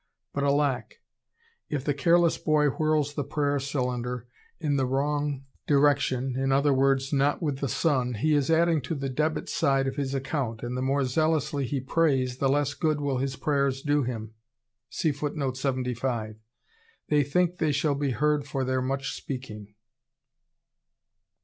But alack! if the careless boy whirls the prayer cylinder in the wrong direction, i.e., not with the sun, he is adding to the debit side of his account, and the more zealously he "prays," the less good will his prayers do him. "They think they shall be heard for their much speaking."